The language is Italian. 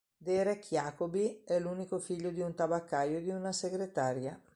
Derek Jacobi è l'unico figlio di un tabaccaio e di una segretaria.